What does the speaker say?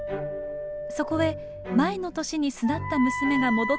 そこへ前の年に巣立った娘が戻ってきて出産。